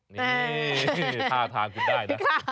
นี่ท่าทางคุณได้นะ